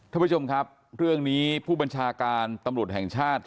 ท่านผู้ชมครับเรื่องนี้ผู้บัญชาการตำรวจแห่งชาติ